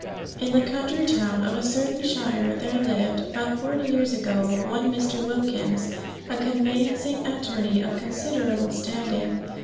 In the county town of a certain shire there lived (about forty years ago) one Mr. Wilkins, a conveyancing attorney of considerable standing.